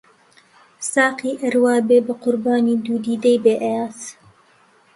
ساقی ئەر وا بێ بە قوربانی دوو دیدەی بێ، ئەیاز